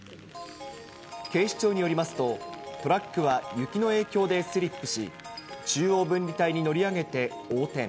警視庁によりますと、トラックは雪の影響でスリップし、中央分離帯に乗り上げて、横転。